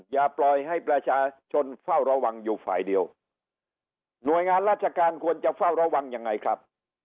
อย่าปล่อยให้ประชาชนเฝ้าระวังอยู่ฝ่ายเดียวหน่วยงานราชการควรจะเฝ้าระวังยังไงครับ